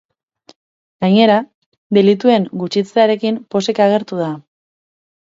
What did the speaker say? Gainera, delituen gutxitzearekin pozik agertu da.